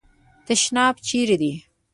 تشناب چیري دی ؟